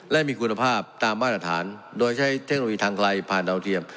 และมีคุณภาพตามมาตรฐานโดยใช้เทคโนโลยีทางไกลผ่านดาวเทียม